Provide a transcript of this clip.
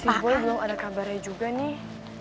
si boy belum ada kabarnya juga nih